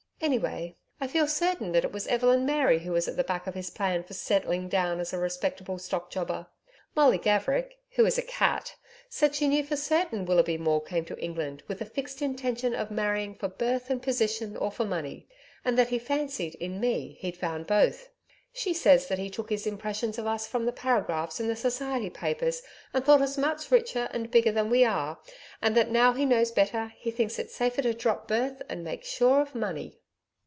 Anyway, I feel certain that it was Evelyn Mary who was at the back of his plan for settling down as a respectable stock jobber. Molly Gaverick who is a cat said she knew for certain Willoughby Maule came to England with the fixed intention of marrying for birth and position or for money, and that he fancied, in me, he'd found both she says that he took his impressions of us from the paragraphs in the Society papers and thought us much richer an bigger than we are, and that now he knows better he thinks it safer to drop birth and make sure of money.